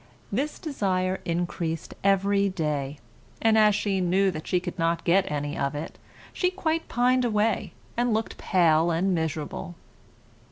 This desire increased every day, and as she knew that she could not get any of it, she quite pined away, and looked pale and miserable.